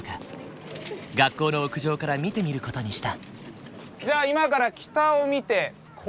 学校の屋上から見てみる事にした。